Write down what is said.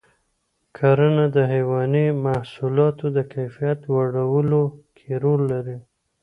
کرنه د حیواني محصولاتو د کیفیت لوړولو کې رول لري.